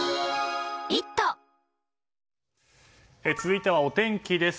続いては、お天気です。